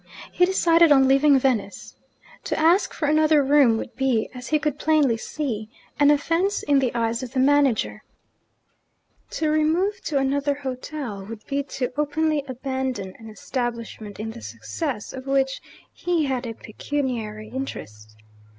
He decided on leaving Venice. To ask for another room would be, as he could plainly see, an offence in the eyes of the manager. To remove to another hotel, would be to openly abandon an establishment in the success of which he had a pecuniary interest.